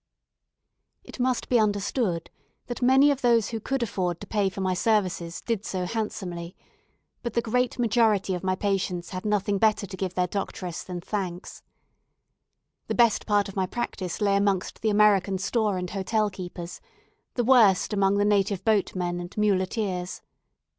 It must be understood that many of those who could afford to pay for my services did so handsomely, but the great majority of my patients had nothing better to give their doctress than thanks. The best part of my practice lay amongst the American store and hotel keepers, the worst among the native boatmen and muleteers.